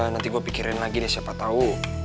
nanti gue pikirin lagi deh siapa tau